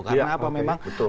karena apa memang